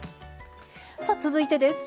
さあ続いてです。